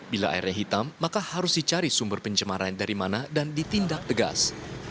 bila airnya hitam maka harus dicari sumber pencemaran dari mana dan ditindak tegas